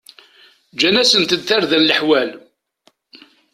Gǧan-asent-d tarda leḥwal.